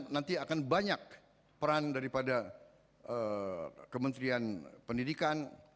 nanti akan banyak peran daripada kementerian pendidikan